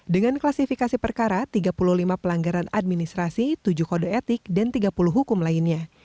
dengan klasifikasi perkara tiga puluh lima pelanggaran administrasi tujuh kode etik dan tiga puluh hukum lainnya